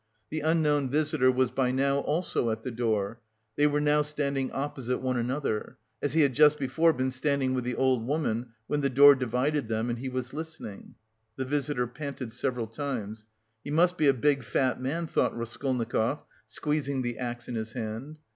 The unknown visitor was by now also at the door. They were now standing opposite one another, as he had just before been standing with the old woman, when the door divided them and he was listening. The visitor panted several times. "He must be a big, fat man," thought Raskolnikov, squeezing the axe in his hand.